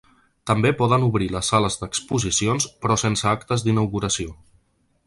També poden obrir les sales d’exposicions, però sense actes d’inauguració.